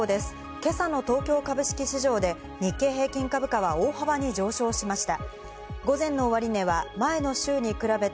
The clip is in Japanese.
今朝の東京株式市場で日経平均株価は大幅に上昇しました。